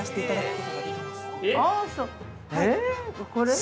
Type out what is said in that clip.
これ？